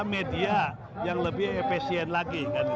media yang lebih efisien lagi